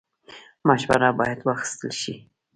مشوره باید واخیستل شي